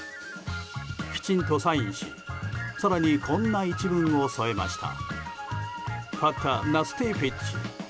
きちんとサインし更にこんな一文を添えました。